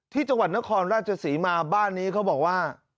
ที่จังหวัดนครราชศรีมาบ้านนี้เขาบอกว่า